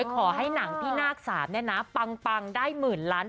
ขอให้หนังพิมาร์ค๓นะนะปังได้หมื่นล้าน